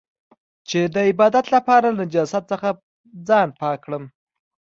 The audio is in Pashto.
چې د عبادت لپاره له نجاست څخه ځان پاک کړم.